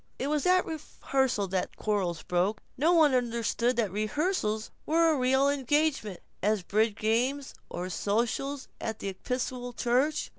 It was at rehearsals that the quarrrels broke. No one understood that rehearsals were as real engagements as bridge games or sociables at the Episcopal Church.